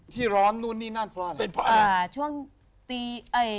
ที่ร้อนนู่นนี่นั่นเพราะอะไร